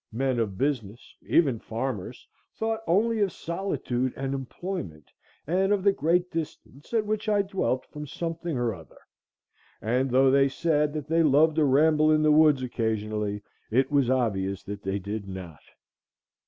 Men of business, even farmers, thought only of solitude and employment, and of the great distance at which I dwelt from something or other; and though they said that they loved a ramble in the woods occasionally, it was obvious that they did not.